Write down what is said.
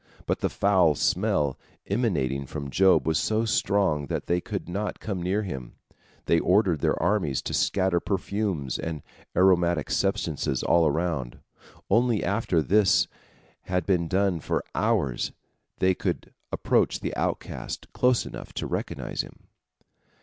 But the foul smell emanating from Job was so strong that they could not come near to him. They ordered their armies to scatter perfumes and aromatic substances all around. Only after this had been done for hours, they could approach the outcast close enough to recognize him.